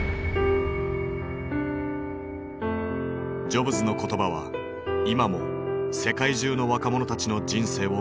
ジョブズの言葉は今も世界中の若者たちの人生を変えている。